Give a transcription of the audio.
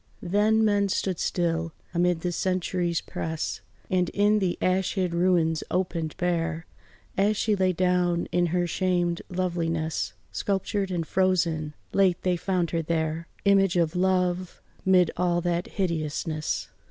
Then men stood still amid the centuries' press, And in the ash hid ruins opened bare, As she lay down in her shamed loveliness, Sculptured and frozen, late they found her there, Image of love 'mid all that hideousness.